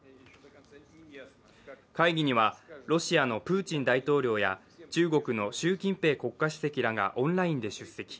会議にはロシアのプーチン大統領や中国の習近平国家主席らがオンラインで出席。